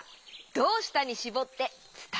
「どうした」にしぼっていうと？